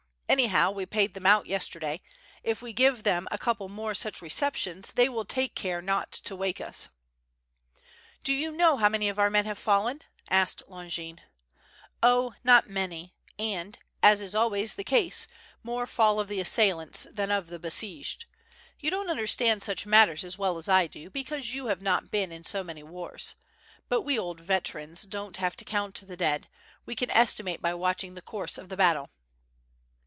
Anyhow we paid them out yesterday, if we give them a couple more such receptions they will take care not to wake us." "Do you know how many of our men have fallen?" asked Ijongin. "0, not many, and, as is always the case, more fall of the assailants than of the besieged. You don't understand such matters as well as I do, because you have not been in so many wars. But we old veterans don't have to count the dead, we can estimate by watching the course of the battle."